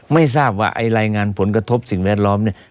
ไม่ทราบว่าไอ้รายงานผลกระทบสิ่งแวดล้อมเนี่ย